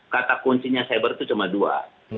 kata kuncinya cyber itu cuma dua